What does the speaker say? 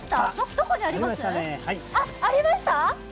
どこにあります？